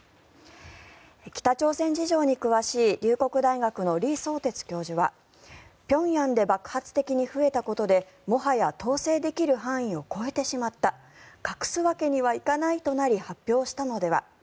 北朝鮮事情に詳しい龍谷大学の李相哲教授は平壌で爆発的に増えたことでもはや統制できる範囲を超えてしまった隠すわけにはいかないとなり発表したのでは。